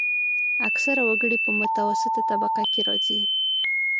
اکثره وګړي په متوسطه طبقه کې راځي.